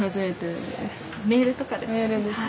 メールとかですね。